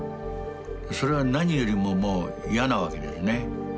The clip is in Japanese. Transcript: それは何よりももう嫌なわけですね。